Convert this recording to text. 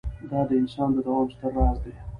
دا د انسان د دوام ستر راز دی.